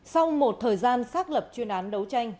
sau một thời gian xác lập chuyên án đấu tranh